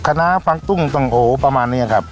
คณะฟักตุ้งปังโอประมาณนี้ครับ